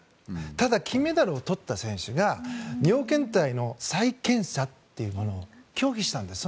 ただ、金メダルを取った選手が尿検体の再検査というものを拒否したんです。